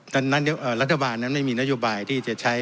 ดังนั้นรัฐบาลนั้นไม่มีนโยบายที่จะใช้